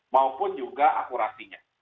maupun juga akurasinya